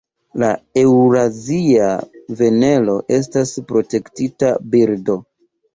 La Eŭrazia vanelo estas protektita birdo.